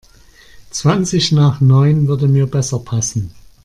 Zwanzig nach neun würde mir besser passen.